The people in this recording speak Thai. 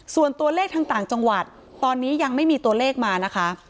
ส่วนตัวเลขทางต่างจังหวัดตอนนี้ยังไม่มีตัวเลขมานะคะ